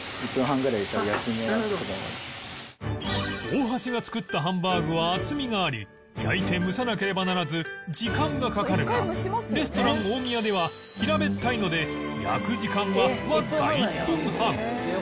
大橋が作ったハンバーグは厚みがあり焼いて蒸さなければならず時間がかかるがレストラン大宮では平べったいので焼く時間はわずか１分半